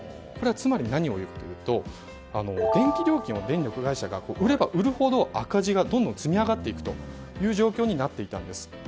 つまり電気料金は電力会社が売れば売るほど赤字がどんどん積み上がっていく状況になっていたんです。